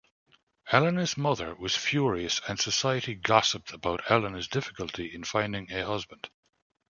Elena's mother was furious and society gossiped about Elena's difficulty in finding a husband.